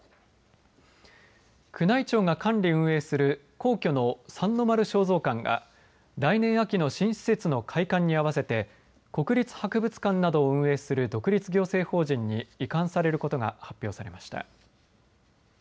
宮内庁が管理、運営する皇居の三の丸尚蔵館が来年秋の新施設の開館に合わせて国立博物館などを運営する独立行政法人に移管されることが発表されました。